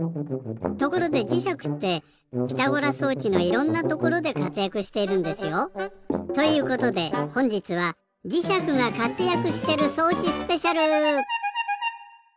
ところでじしゃくってピタゴラ装置のいろんなところでかつやくしているんですよ。ということでほんじつはそれではどうぞ！